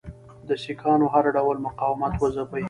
د سیکهانو هر ډول مقاومت وځپي.